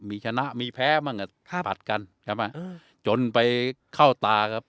มีชนะมีแพ้มั่งอ่ะครับผลัดกันใช่ไหมอืมจนไปเข้าตาครับ